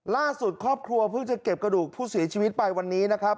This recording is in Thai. ล่าสุดครอบครัวเพิ่งจะเก็บกระดูกผู้เสียชีวิตไปวันนี้นะครับ